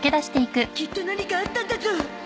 きっと何かあったんだゾ！